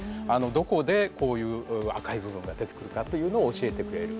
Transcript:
どこでこういう赤い部分が出てくるかというのを教えてくれる。